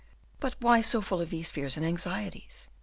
But why so full of these fears and anxieties?